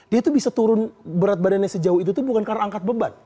dia tuh bisa turun berat badannya sejauh itu bukan karena angkat beban